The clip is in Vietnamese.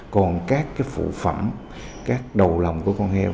còn các phụ phẩm các đầu lòng của con heo